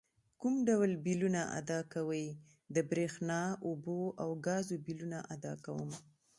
کوم ډول بیلونه ادا کوئ؟ د بریښنا، اوبو او ګازو بیلونه ادا کوم